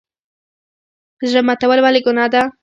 زړه ماتول ولې ګناه ده؟